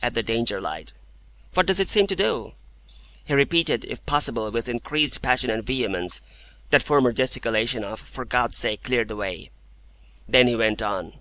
"At the Danger light." "What does it seem to do?" He repeated, if possible with increased passion and vehemence, that former gesticulation of, "For God's sake, clear the way!" Then he went on.